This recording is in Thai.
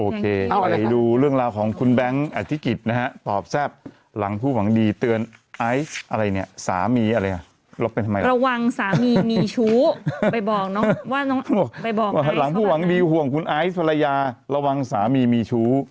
ก็ไปดูเรื่องราวของคุณแบงค์อธิกิตนะฮะตอบแทบหลังผู้หวังดีเตือนไอซอะไรเนี่ยสามีอะไรลบเป็นทำไม